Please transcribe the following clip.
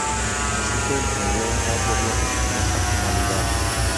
Así que emprendió un largo viaje con esa finalidad.